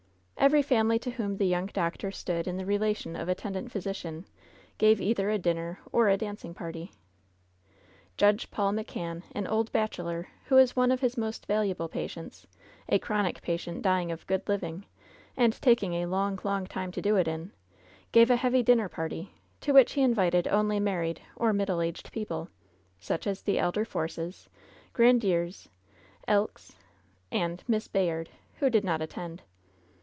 Every family to whom the young doctor stood in the relation of attendant physician gave either a dinner or a dancing party. Judge Paul McCann, an old bachelor, who was one of his most valuable patients — a chronic patient dying of good living, and taking a long, long time to do it in — gave a heavy dinner party, to which he invited only mar ried or middle aged people — such as the elder Forces^ Grandieres, Elks, and — ^Miss Bayard, who did not at tend.